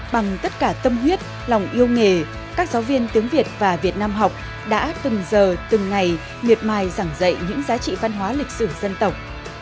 bằng tất cả tâm huyết lòng yêu nghề các giáo viên tiếng việt và việt nam học đã từng giờ từng ngày miệt mài giảng dạy những giá trị văn hóa lịch sử dân tộc